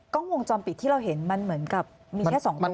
กล้องวงจรปิดที่เราเห็นมันเหมือนกับมีแค่๒ตัว